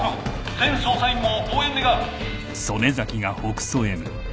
全捜査員も応援願う。